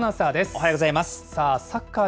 おはようございます。